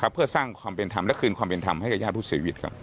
เพื่อสร้างความเป็นธรรมและคืนความเป็นธรรมให้กับญาติผู้เสียชีวิต